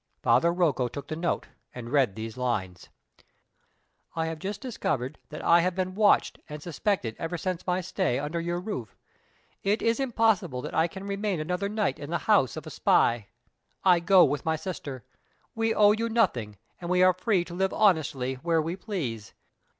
Father Rocco took the note, and read these lines: "I have just discovered that I have been watched and suspected ever since my stay under your roof. It is impossible that I can remain another night in the house of a spy. I go with my sister. We owe you nothing, and we are free to live honestly where we please.